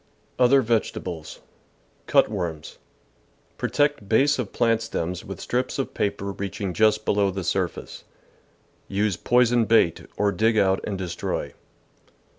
Other Vegetables. — Cut worms. — Protect base of plant stems with strips of paper reaching just THE VEGETABLE GARDEN below the surface. Use poisoned bait, or dig out and destroy.